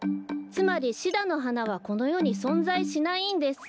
つまりシダのはなはこのよにそんざいしないんです。